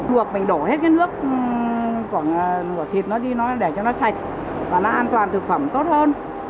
buộc mình đổ hết cái nước của thịt nó di nó để cho nó sạch và nó an toàn thực phẩm tốt hơn